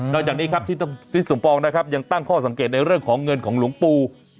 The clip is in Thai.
จากนี้ครับที่ทิศสมปองนะครับยังตั้งข้อสังเกตในเรื่องของเงินของหลวงปู่